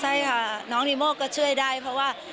ใช่ค่ะน้องนีโม่ก็ช่วยได้เพราะว่า